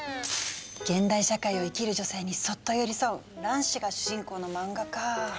現代社会を生きる女性にそっと寄り添う卵子が主人公の漫画か。